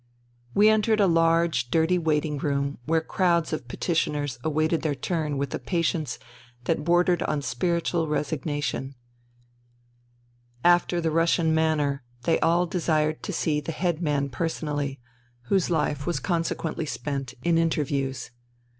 We entered a large dirty waiting room where crowds of petitioners awaited their turn with a patience that bordered on spiritual resignation : after the Russian manner they all desired to see the head man personally, whose life was consequently spent in interviews.